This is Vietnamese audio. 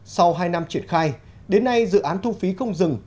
sau hai năm triển khai đến nay dự án thu phí không dừng